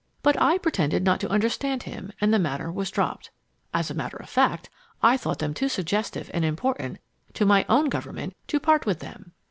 But I pretended not to understand him and the matter was dropped. As a matter of fact, I thought them too suggestive and important to my own Government to part with them!'